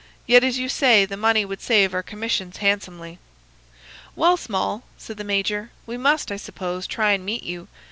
'Yet, as you say, the money would save our commissions handsomely.' "'Well, Small,' said the major, 'we must, I suppose, try and meet you.